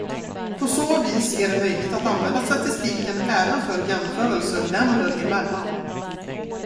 På så vis är det möjligt att använda statistiken även för jämförelser länder emellan.